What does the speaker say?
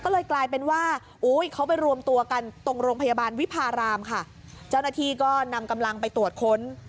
ก็เลยกลายเป็นว่าอุ้ยเขาไปรวมตัวกันตรงโรงพยาบาลวิพารามค่ะเจ้าหน้าที่ก็นำกำลังไปตรวจค้น